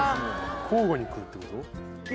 ・交互に食うってこと？